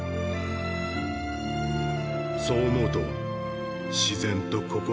そう思うと自然と心が